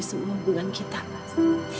semua hubungan kita mas